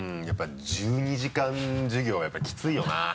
やっぱり１２時間授業はやっぱりきついよな。